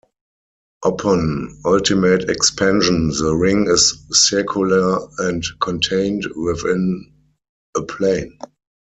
Upon ultimate expansion the ring is circular and contained within a plane.